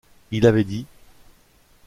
Il avait dit: